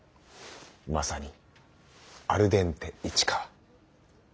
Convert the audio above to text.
まさにアルデンテ市川。